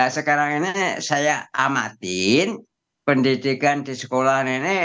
sekarang ini saya amatin pendidikan di sekolah nenek